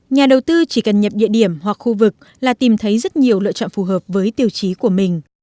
nhà đầu tư chỉ cần nhập địa điểm hoặc khu vực là tìm thấy rất nhiều lựa chọn phù hợp với tiêu chí của mình